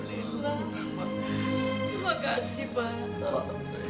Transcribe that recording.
terima kasih banget